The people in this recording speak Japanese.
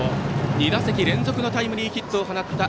２打席連続のタイムリーヒットを放った。